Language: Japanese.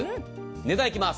値段いきます。